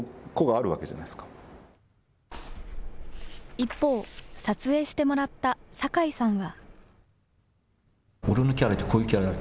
一方、撮影してもらった酒井さんは。